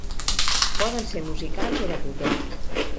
Poden ser musicals o de cotó.